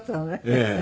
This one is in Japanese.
ええ。